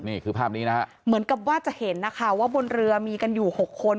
นี่คือภาพนี้นะฮะเหมือนกับว่าจะเห็นนะคะว่าบนเรือมีกันอยู่หกคน